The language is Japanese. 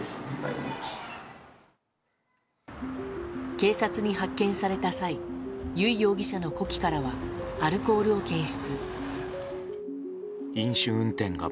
警察に発見された際由井容疑者の呼気からはアルコールを検出。